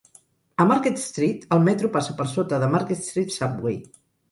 A Market Street, el metro passa per sota de Market Street Subway.